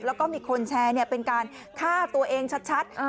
แล้วก็มีคนแชร์เนี้ยเป็นการฆ่าตัวเองชัดชัดอ่า